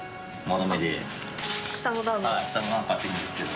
呂下の段買っていくんですけど。